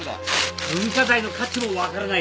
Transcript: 文化財の価値も分からないやつが。